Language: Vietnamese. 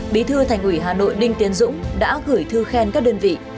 bí thư thành ủy hà nội đinh tiến dũng đã gửi thư khen các đơn vị